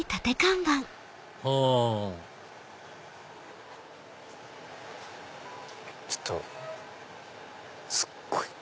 あちょっとすっごい。